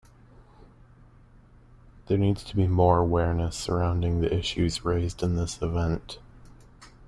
There needs to be more awareness surrounding the issues raised in this event.